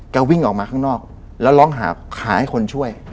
วิ่งออกมาข้างนอกแล้วร้องหาให้คนช่วย